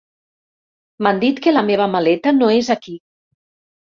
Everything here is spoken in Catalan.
M'han dit que la meva maleta no és aquí.